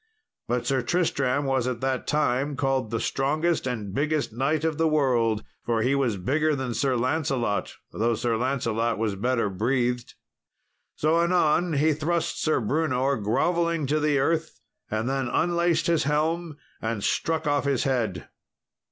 But Sir Tristram was at that time called the strongest and biggest knight of the world; for he was bigger than Sir Lancelot, though Sir Lancelot was better breathed. So anon he thrust Sir Brewnor grovelling to the earth, and then unlaced his helm and struck off his head.